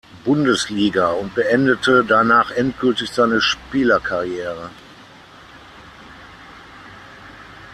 Bundesliga und beendete danach endgültig seine Spielerkarriere.